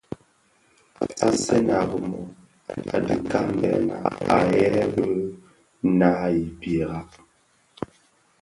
Asen a Rimoh a dhi kaňbèna a dhiaèn bi naa i mpiera.